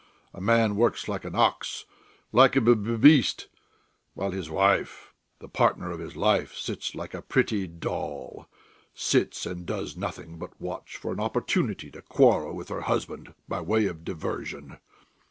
A man works like an ox, like a b beast, while his wife, the partner of his life, sits like a pretty doll, sits and does nothing but watch for an opportunity to quarrel with her husband by way of diversion.